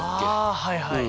あはいはい。